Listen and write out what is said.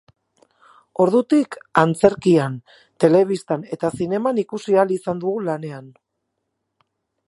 Ordutik, antzerkian, telebistan eta zineman ikusi ahal izan dugu lanean.